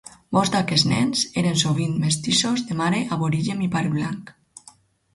Molts d'aquests nens eren sovint mestissos de mare aborigen i pare blanc.